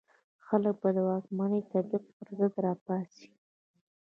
خلک به د واکمنې طبقې پر ضد را پاڅي.